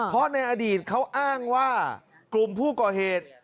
เพราะในอดีตเขาอ้างว่ากลุ่มผู้ก่อเหตุ